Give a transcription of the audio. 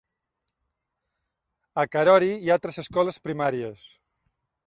A Karori hi ha tres escoles primàries.